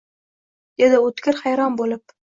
dedi O`tkir hayron bo`lib